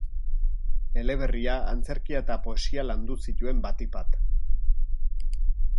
Eleberria, antzerkia eta poesia landu zituen, batik bat.